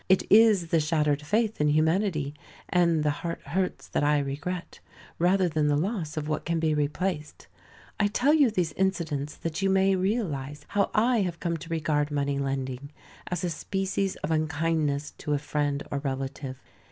It is the shattered faith in humanity, and the heart hurts that I regret, rather than the loss of what can be replaced. I tell you these incidents that you may realize how I have come to regard money lending, as a species of unkindness to a friend or relative.